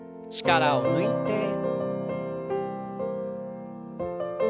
力を抜いて。